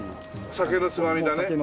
酒のつまみだね。